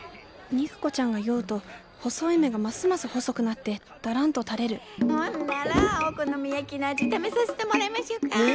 肉子ちゃんが酔うと細い目がますます細くなってだらんと垂れるほんならお好み焼きの味試させてもらいましょか！